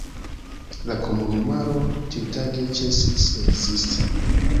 La komunumaro tiutage ĉesis ekzisti.